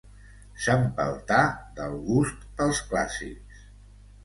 S'empeltà del gust pels clàssics.